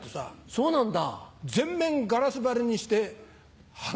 そうなんだ。